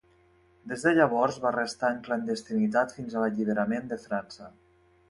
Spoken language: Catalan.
Des de llavors va restar en clandestinitat fins a l'alliberament de França.